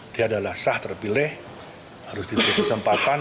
dia adalah sah terpilih harus diberi kesempatan